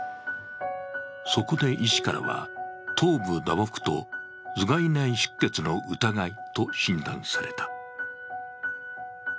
そこで医師からは、頭部打撲と頭蓋内出血の疑いと診断された。